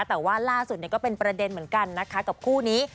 แต่ว่าล่าสุดก็เป็นประเด็นเหมือนกันนะคะกับคู่นี้